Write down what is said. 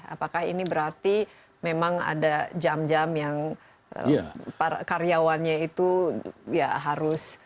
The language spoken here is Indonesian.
apakah ini berarti memang ada jam jam yang karyawannya itu ya harus